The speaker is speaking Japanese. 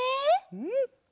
うん。